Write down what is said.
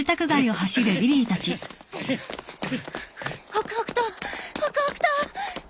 北北東北北東。